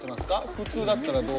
普通だったらどう。